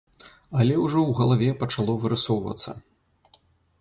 Але ўжо ў галаве пачало вырысоўвацца.